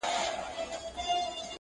په کوم مخ به د خالق مخ ته درېږم؟،